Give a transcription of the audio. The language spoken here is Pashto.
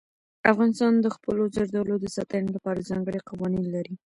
افغانستان د خپلو زردالو د ساتنې لپاره ځانګړي قوانین لري.